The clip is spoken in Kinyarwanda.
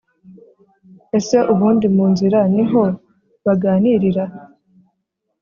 Ese ubundi mu nzira ni ho baganirira?